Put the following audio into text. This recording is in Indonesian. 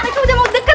haikal udah mau deket